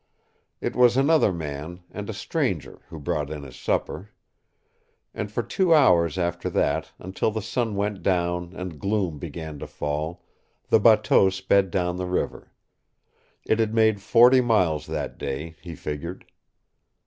It was another man, and a stranger, who brought in his supper. And for two hours after that, until the sun went down and gloom began to fall, the bateau sped down the river. It had made forty miles that day, he figured.